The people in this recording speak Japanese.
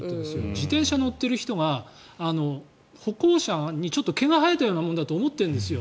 自転車に乗っている人は歩行者にちょっと毛が生えたようなものだと思ってるんですよ。